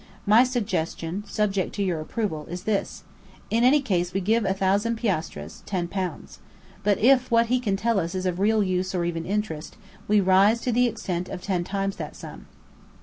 My suggestion, subject to your approval, is this: in any case we give a thousand piasters, ten pounds. But if what he can tell us is of real use or even interest, we rise to the extent of ten times that sum."